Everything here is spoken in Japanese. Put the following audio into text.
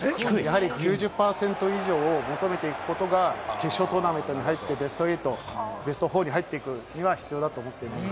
９０％以上、求めていくことが決勝トーナメントに入ってベスト８、ベスト４に入っていくには必要だと思っています。